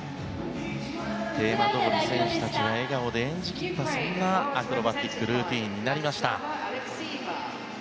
テーマどおり選手たちが笑顔で演じ切ったアクロバティックルーティン。